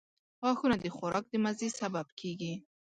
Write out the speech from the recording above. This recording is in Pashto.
• غاښونه د خوراک د مزې سبب کیږي.